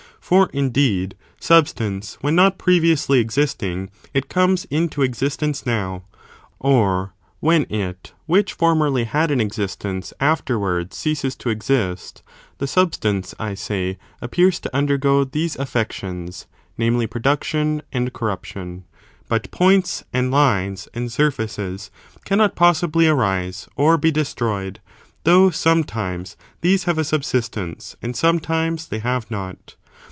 For, indeed, substance — ^when not previously existing it comes into existence now,^ or when it which for merly had an existence afterwards ceases to exist — the sub stance, I say, appears to undergo these affections, namely, production and corruption ; but points, and lines, and sur&,ces, cannot possibly arise or be destroyed, though sometimes these have a subsistence, and sometimes they have not.